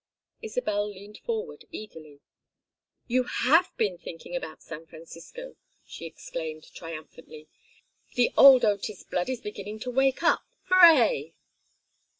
Isabel leaned forward eagerly. "You have been thinking about San Francisco!" she exclaimed, triumphantly. "The old Otis blood is beginning to wake up! Hooray!"